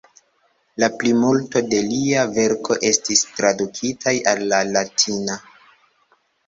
La plimulto de lia verko estis tradukitaj al la latina.